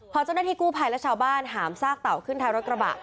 พอเจ้าหน้าที่กู้ภัยและชาวบ้านหามซากเต่าขึ้นท้ายรถกระบะ